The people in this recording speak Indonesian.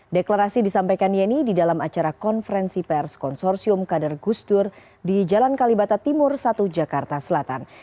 deklarasi disampaikan yeni di dalam acara konferensi pers konsorsium kader gusdur di jalan kalibata timur satu jakarta selatan